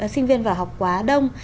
sinh viên vào học quá đông